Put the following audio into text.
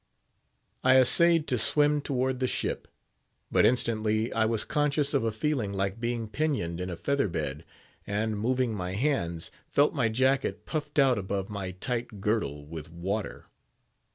I essayed to swim toward the ship; but instantly I was conscious of a feeling like being pinioned in a feather bed, and, moving my hands, felt my jacket puffed out above my tight girdle with water.